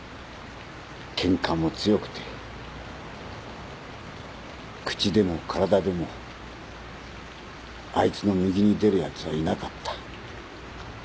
けんかも強くて口でも体でもあいつの右に出るヤツはいなかった。